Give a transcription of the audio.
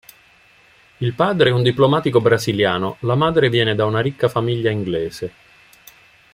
Il padre è un diplomatico brasiliano, la madre viene da una ricca famiglia inglese.